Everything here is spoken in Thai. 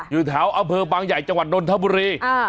อยู่แถวอำเภอบางใหญ่จังหวัดนนทบุรี